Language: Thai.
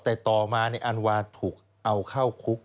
แต่ต่อมาอันวาถูกเอาเข้าคุก